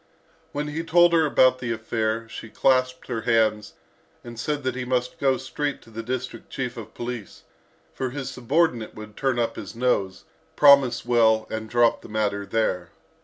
When he told her about the affair, she clasped her hands, and said that he must go straight to the district chief of police, for his subordinate would turn up his nose, promise well, and drop the matter there.